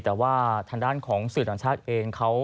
แต่ว่าทางด้านของสื่อต่างชาติเองเขา